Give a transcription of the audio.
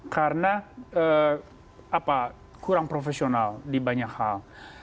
karena kurang profesional di banyak hal